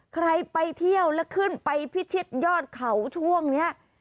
ใครไปเที่ยวแล้วขึ้นไปพิชิตยอดเขาช่วงนี้